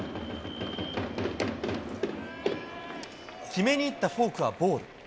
決めにいったフォークはボール。